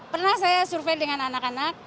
pernah saya survei dengan anak anak